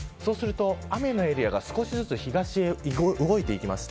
雨のエリアが少しずつ東へ動いていきます。